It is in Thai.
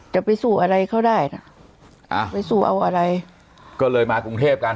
จะไปสู่อะไรเขาได้น่ะอ่าไปสู่เอาอะไรก็เลยมากรุงเทพกัน